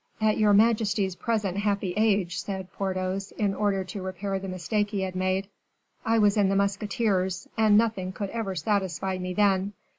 "At your majesty's present happy age," said Porthos, in order to repair the mistake he had made, "I was in the musketeers, and nothing could ever satisfy me then.